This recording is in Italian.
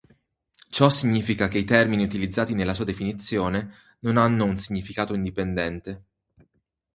Ciò significa che i termini utilizzati nella sua definizione non hanno un significato indipendente.